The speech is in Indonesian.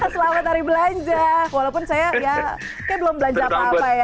selamat hari belanja walaupun saya ya kayaknya belum belanja apa apa ya